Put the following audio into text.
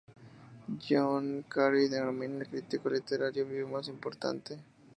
John Carey le denomina el "crítico literario vivo más importante".